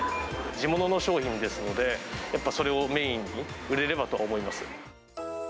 地物の商品ですので、やっぱそれをメインに売れればと思います。